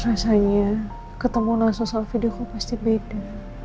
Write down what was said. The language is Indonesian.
rasanya ketemu langsung soal video kau pasti beda